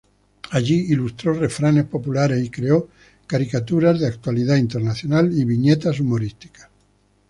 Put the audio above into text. Allí ilustró refranes populares y creó caricaturas de actualidad internacional y viñetas humorísticas.